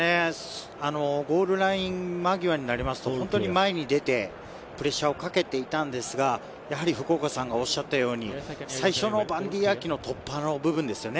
ゴールライン間際になりますと、前に出て、プレッシャーをかけていたんですが、やはり福岡さんがおっしゃったように、最初のバンディー・アキの突破の部分ですね。